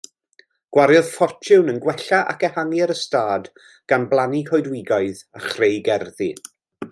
Gwariodd ffortiwn yn gwella ac ehangu'r ystâd gan blannu coedwigoedd a chreu gerddi.